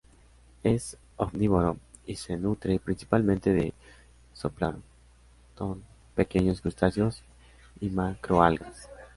Es omnívoro y se nutre principalmente de zooplancton, pequeños crustáceos y macroalgas.